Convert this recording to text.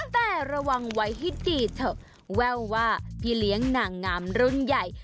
แต่ระวังไว้ให้ดีเถอะแว่วว่าพี่เลี้ยงนางงามรุ่นใหญ่